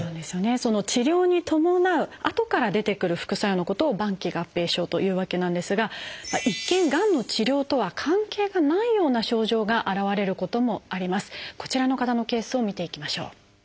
その治療に伴うあとから出てくる副作用のことを晩期合併症というわけなんですが一見がんの治療とは関係がないような症状が現れることもあります。